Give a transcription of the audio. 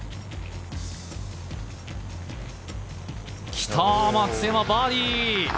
来たー、松山バーディー。